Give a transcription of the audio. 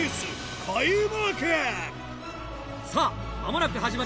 さぁ間もなく始まります